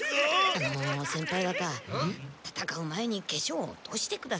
あの先輩方戦う前に化粧落としてください。